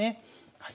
はい。